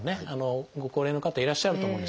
ご高齢の方いらっしゃると思うんです。